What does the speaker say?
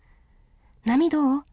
波どう？